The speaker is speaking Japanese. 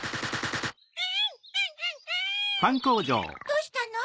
どうしたの？